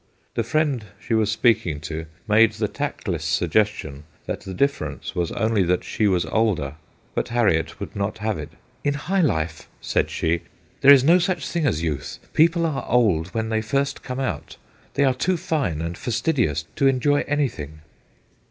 The friend she was speaking to made the tactless suggestion that the difference was only that she was older, but Harriot would not have it : 'In high life,' said she, ' there is no such thing as youth ; people are old when they first come out ; they are too fine and fastidious to enjoy anything.'